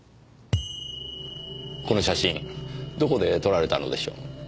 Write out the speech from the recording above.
この写真どこで撮られたのでしょう。